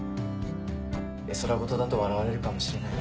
絵空事だと笑われるかもしれない。